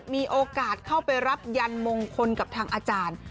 มีโอกาสเข้าไปรับยันมงคลกับทางอาจารย์